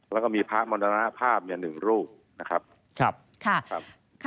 และมีภาคมอดรนาภาพ๑รูป